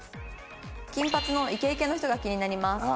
「金髪のイケイケの人が気になります」